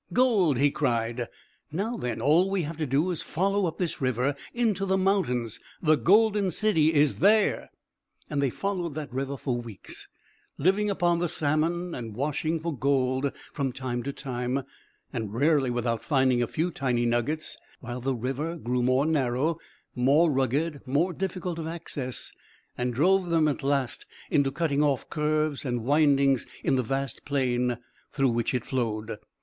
"Gold!" he cried. "Now then, all we have to do is to follow up this river into the mountains. The golden city is there." And they followed that river for weeks, living upon the salmon, and washing for gold from time to time, and rarely without finding a few tiny nuggets, while the river grew more narrow, more rugged, more difficult of access, and drove them at last into cutting off curves and windings in the vast plain through which it flowed.